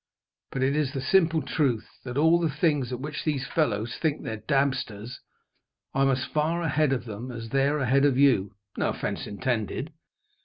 But it is the simple truth that, at all the things at which these fellows think they're dabsters, I'm as far ahead of them as they're ahead of you, no offence intended.